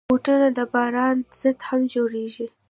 بوټونه د باران ضد هم جوړېږي.